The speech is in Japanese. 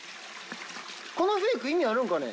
このフェイク意味あるんかね？